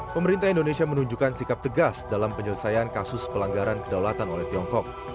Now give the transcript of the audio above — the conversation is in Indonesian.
pemerintah indonesia menunjukkan sikap tegas dalam penyelesaian kasus pelanggaran kedaulatan oleh tiongkok